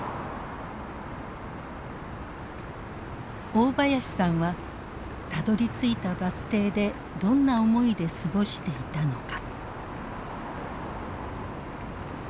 大林さんはたどりついたバス停でどんな思いで過ごしていたのか。